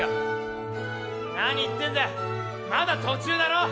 何言ってんだよまだ途中だろ？